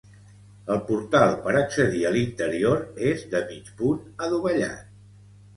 El portal per accedir a l'interior és de mig punt adovellat.